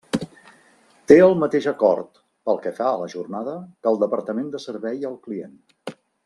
Té el mateix acord, pel que fa a la jornada, que el Departament de Servei al client.